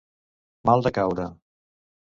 Mal de caure.